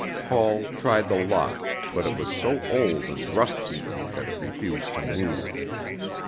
Paul tried the lock, but it was so old and rust eaten that it refused to move.